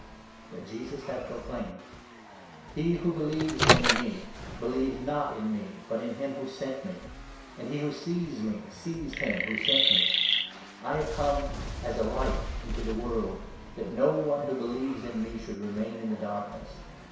But Jesus had proclaimed : 44 ".He who believes in me believes, not in me, but in him who sent me ; and he who sees me sees him who sent me. I have 45, come as a Light into the world, that no one who believes in me should remain in the darkness.